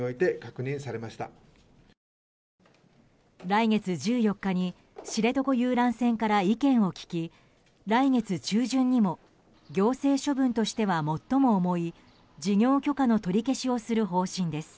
来月１４日に知床遊覧船から意見を聞き来月中旬にも行政処分としては最も重い事業許可の取り消しをする方針です。